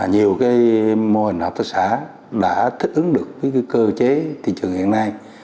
nhiều mô hình học tạp xã đã thích ứng được cơ chế thị trường hiện nay